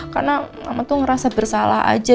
karena mama tuh ngerasa bersalah aja